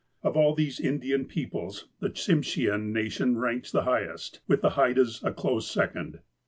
Of all of these Indian peoples, the Tsimshean nation ranks the highest, with the Haidas a close second.